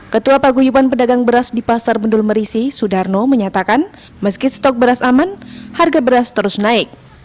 ketua paguyuban pedagang beras di pasar bendul merisi sudarno menyatakan meski stok beras aman harga beras terus naik